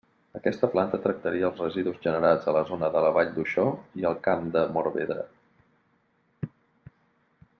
Aquesta planta tractaria els residus generats a la zona de la Vall d'Uixó i el Camp de Morvedre.